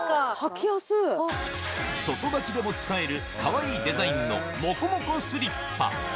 外履きでも使えるかわいいデザインのモコモコスリッパ。